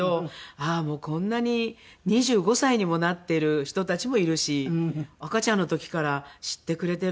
ああもうこんなに２５歳にもなってる人たちもいるし赤ちゃんの時から知ってくれてるんだと思うと。